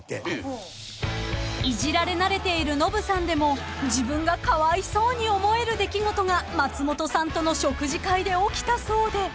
［いじられ慣れているノブさんでも自分がかわいそうに思える出来事が松本さんとの食事会で起きたそうで］